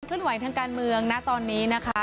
ท่านท่านวัยทางการเมืองตอนนี้นะคะ